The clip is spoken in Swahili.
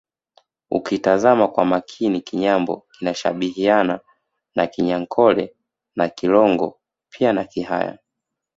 Ukitazama kwa makini Kinyambo kinashabihiana na Kinyankole na Kilongo pia na Kihaya